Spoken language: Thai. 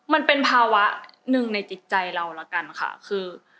มันเป็นภาวะหนึ่งในจิตใจเราแล้วกันค่ะคือ